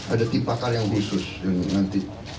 ada tim pakar yang khusus yang nanti